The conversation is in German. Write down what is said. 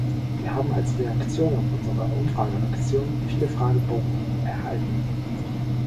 Wir haben als Reaktion auf unsere Umfrageaktion viele Fragebogen erhalten.